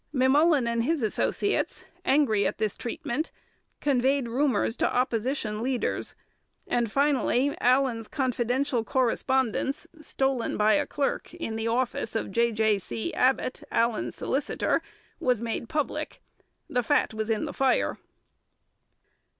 M'Mullen and his associates, angry at this treatment, conveyed rumours to Opposition leaders, and finally Allan's confidential correspondence, stolen by a clerk in the office of J. J. C. Abbott, Allan's solicitor, was made public. The fat was in the fire.